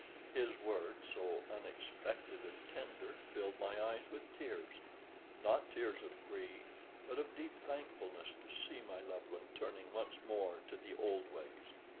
His words, so unexpected and tender, filled my eyes with tears; not tears of grief, but of deep thankfulness to see my loved one turning once more to the old ways.